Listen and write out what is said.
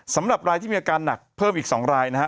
สำหรับรายที่มีอาการหนักเพิ่มอีก๒รายนะฮะ